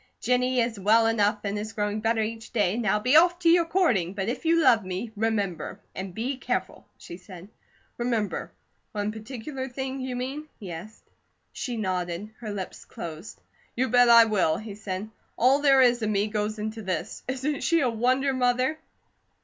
"Jennie is well enough and is growing better each day, now be off to your courting, but if you love me, remember, and be careful," she said. "Remember one particular thing you mean?" he asked. She nodded, her lips closed. "You bet I will!" he said. "All there is of me goes into this. Isn't she a wonder, Mother?"